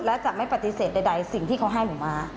และจะไม่ปฏิเสธใดสิ่งที่เขาให้หนูมา